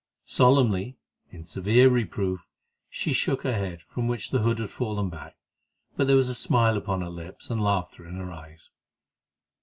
Solemnly, in severe reproof, she shook her head, from which the hood had fallen back, but there was a smile upon her lips, and laughter in her eyes.